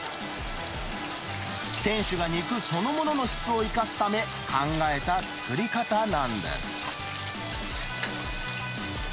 店主が肉そのものの質を生かすため、考えた作り方なんです。